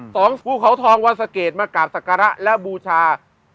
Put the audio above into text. ภูเขาทองวันสะเกดมากราบศักระและบูชา